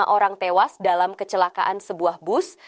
lima orang tewas dalam kecelakaan sebuah bus